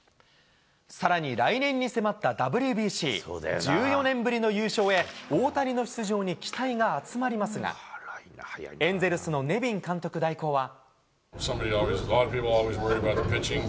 さらに、来年に迫ったＷＢＣ１４年ぶりの優勝へ、大谷の出場に期待が集まりますが、エンゼルスのネビン監督代行は。